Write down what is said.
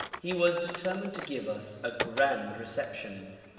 He was determined to give us a grand reception.